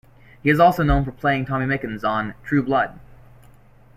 He is also known for playing Tommy Mickens on "True Blood".